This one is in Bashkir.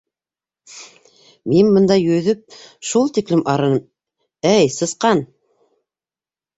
Мин бында йөҙөп шул тиклем арыным, әй Сысҡан!